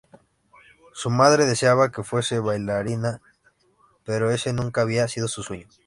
Su madre deseaba que fuese bailarina pero ese nunca había sido su sueño.